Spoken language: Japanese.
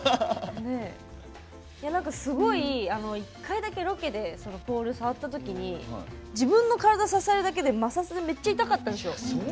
すごい１回だけロケでポール触ったときに自分の体支えるだけで摩擦で、めっちゃ痛いんですよ。